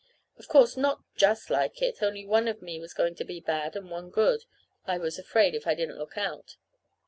Of course not just like it, only one of me was going to be bad, and one good, I was afraid, if I didn't look out.